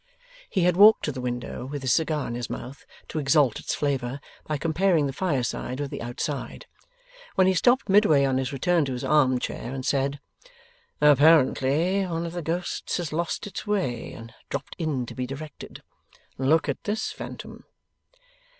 He had walked to the window with his cigar in his mouth, to exalt its flavour by comparing the fireside with the outside, when he stopped midway on his return to his arm chair, and said: 'Apparently one of the ghosts has lost its way, and dropped in to be directed. Look at this phantom!